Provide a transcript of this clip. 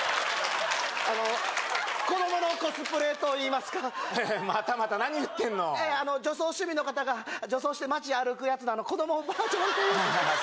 あの子供のコスプレといいますかまたまた何言ってんのいやいやあの女装趣味の方が女装して街歩くやつの子供バージョンというあ